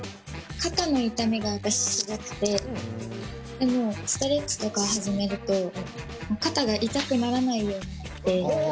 肩の痛みが私すごくてでもストレッチとか始めると肩が痛くならないようになってだいぶ効果あります。